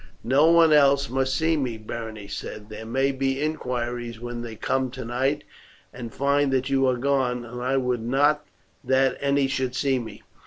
"No one else must see me," Berenice said. "There may be inquiries when they come tonight and find that you are gone, and I would not that any should see me."